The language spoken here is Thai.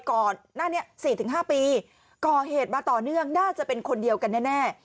ก่อนหน้านี้๔๕ปีก่อเหตุมาต่อเนื่องน่าจะเป็นคนเดียวกันแน่